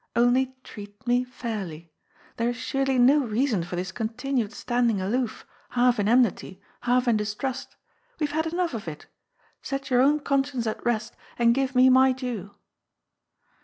Only treat me fairly. There is surely no reason for this con tinued standing aloof, half in enmiiy, half in distrust. We have had enough of it. Set your own conscience at rest, and give me my due."